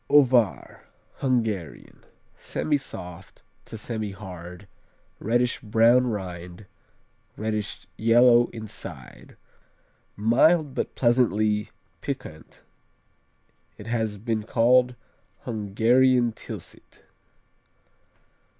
Ovár Hungarian Semisoft to semihard, reddish brown rind, reddish yellow inside. Mild but pleasantly piquant It has been called Hungarian Tilsit.